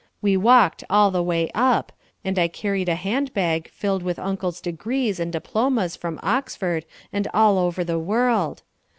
We walked all the way up and I carried a handbag filled with Uncle's degrees and diplomas from Oxford and all over the world.